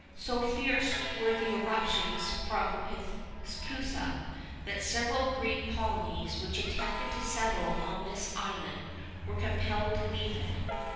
So fierce were the eruptions from Pithecusa, that several Greek colonies which attempted to settle on this island were compelled to leave it.